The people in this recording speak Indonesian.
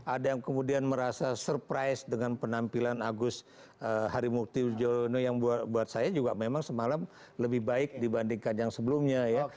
ada yang kemudian merasa surprise dengan penampilan agus harimurti yudhoyono yang buat saya juga memang semalam lebih baik dibandingkan yang sebelumnya ya